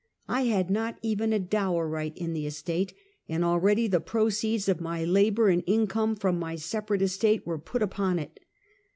I had not even a dower right in the estate, and already the proceeds of my labor and income from my separate estate were put upon it.